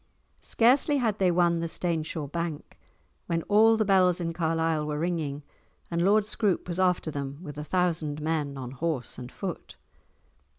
Scarcely had they won the Staneshaw bank when all the bells in Carlisle were ringing and Lord Scroope was after them with a thousand men on horse and on foot.